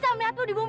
aku akan datang